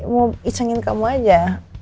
mau isengin kamu aja